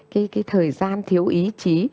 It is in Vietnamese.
cái thời gian thiếu ý chí